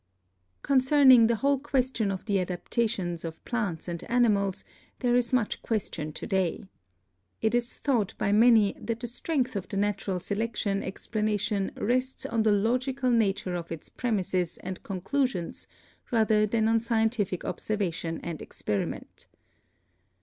Concerning the whole question of the adaptations of plants and animals there is much question to day. It is ADAPTATION 291 thought by many that the strength of the natural selec tion explanation rests on the logical nature of its premises and conclusions rather than on scientific observation and experiment.